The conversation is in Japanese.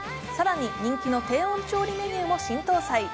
更に人気の低温調理メニューも新搭載。